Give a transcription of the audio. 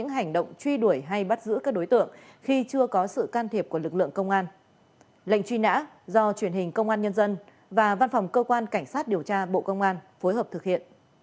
hãy đăng ký kênh để ủng hộ kênh của mình nhé